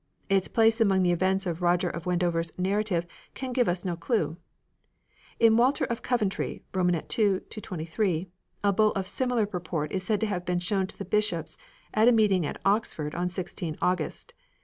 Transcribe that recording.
Its place among the events of Roger of Wendover's narrative can give us no clue. In Walter of Coventry (ii. 223), a Bull of similar pur port is said to have been shown to the bishops at a meeting at Oxford on 16 August.